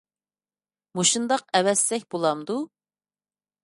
مۇشۇنداق ئەۋەتسەك بولامدۇ؟